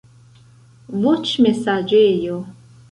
voĉmesaĝejo